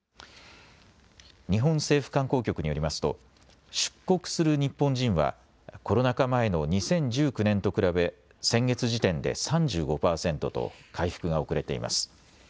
日本政府観光局によりますと出国する日本人はコロナ禍前の２０１９年と比べ先月時点で３５％と回復が遅れています。